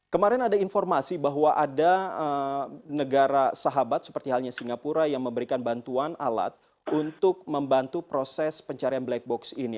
kemarin ada informasi bahwa ada negara sahabat seperti halnya singapura yang memberikan bantuan alat untuk membantu proses pencarian black box ini